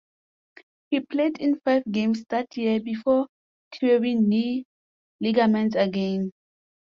He played in five games that year before tearing knee ligaments again.